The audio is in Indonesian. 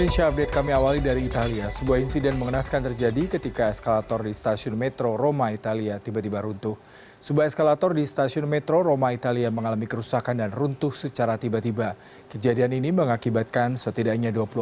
sampai jumpa di video selanjutnya